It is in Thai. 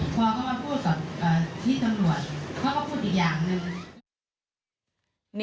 พอเขามาพูดกับที่ตำรวจเขาก็พูดอีกอย่างหนึ่ง